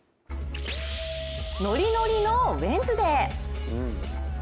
ノリノリのウエンズデー。